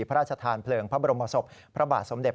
พระราชทานเพลิงพระบรมศพพระบาทสมเด็จ